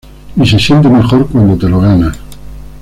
Y se siente mejor cuando te lo ganas.